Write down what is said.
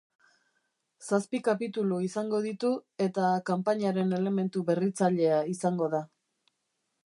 Zazpi kapitulu izango, ditu eta kanpainaren elementu berritzailea izango da.